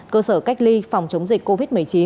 cơ sở cách ly phòng chống dịch covid một mươi chín